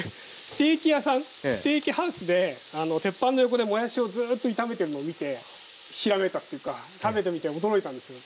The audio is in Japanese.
ステーキハウスで鉄板の横でもやしをずっと炒めてるのを見てひらめいたっていうか食べてみて驚いたんですよ。